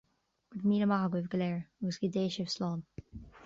Go raibh míle maith agaibh go léir, agus go dté sibh slán